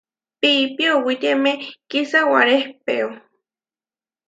Piipi owítiame kisáware ehpéo.